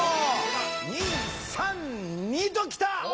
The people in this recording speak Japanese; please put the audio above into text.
「２」「３」「２」ときた！